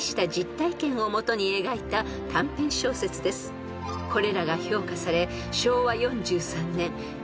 ［これらが評価され］